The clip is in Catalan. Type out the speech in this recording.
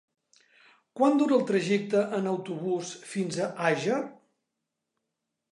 Quant dura el trajecte en autobús fins a Àger?